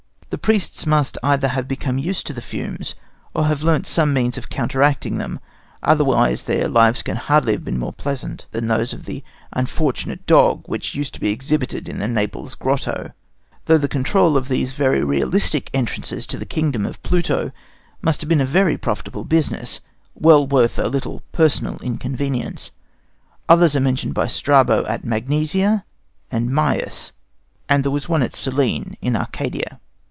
The priests must either have become used to the fumes, or have learnt some means of counteracting them; otherwise their lives can hardly have been more pleasant than that of the unfortunate dog which used to be exhibited in the Naples grotto, though the control of these very realistic entrances to the kingdom of Pluto must have been a very profitable business, well worth a little personal inconvenience. Others are mentioned by Strabo at Magnesia and Myus, and there was one at Cyllene, in Arcadia.